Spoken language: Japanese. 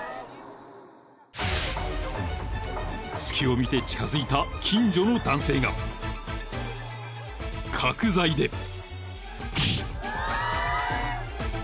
［隙を見て近づいた近所の男性が角材で］